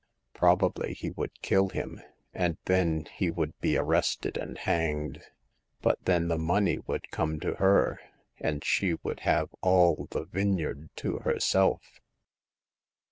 Probably he would kill him ; and then he would be arrested and hanged. But then the money would come to her, and she would have all the vineyard to herself.